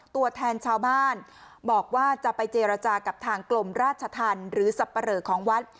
ตัวแทนชาวบ้านบอกว่าจะไปเจรจากับทางกรมราชธรรมหรือสับปะเหลอของวัด